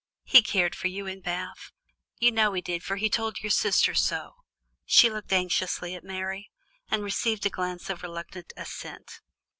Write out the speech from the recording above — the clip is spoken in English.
He cared for you in Bath; you know he did for he told your sister so." She looked anxiously at Mary, and received a glance of reluctant assent.